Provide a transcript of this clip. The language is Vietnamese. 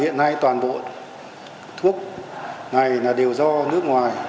hiện nay toàn bộ thuốc này đều do nước ngoài